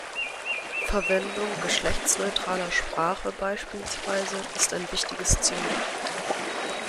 Verwendung geschlechtsneutraler Sprache beispielsweise ist ein wichtiges Ziel.